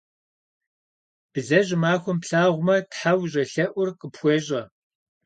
Блэ щӏымахуэм плъагъумэ, тхьэ ущӏелъэӏур къыпхуещӏэ.